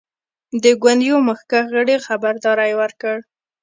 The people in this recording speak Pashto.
د ګوند یوه مخکښ غړي خبرداری ورکړ.